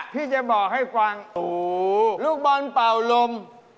พี่จะบอกให้ฟังลูกบอลเป่าลม